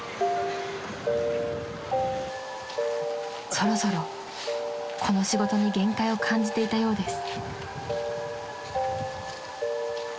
［そろそろこの仕事に限界を感じていたようです］